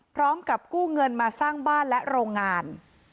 พร้อมกับกู้เงินมาสร้างบ้านและโรงงาน